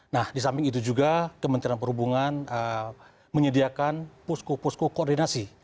nah di samping itu juga kementerian perhubungan menyediakan posko posko koordinasi